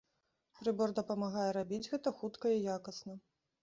Прыбор дапамагае рабіць гэта хутка і якасна.